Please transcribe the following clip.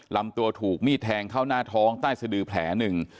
ลำตัวถูกมีดแทงเข้าหน้าท้องใต้สะดือแผลหนึ่ง